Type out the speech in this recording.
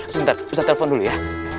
sebentar bisa telepon dulu ya